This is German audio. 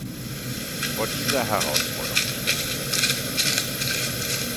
Vor dieser Herausforderung stehen sie.